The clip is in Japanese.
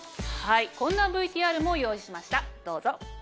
こんなＶＴＲも用意しましたどうぞ。